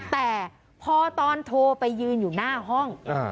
แต่พอตอนโทรไปยืนอยู่หน้าห้อง